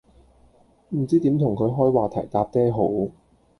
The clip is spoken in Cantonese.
唔知點同佢開話題搭嗲好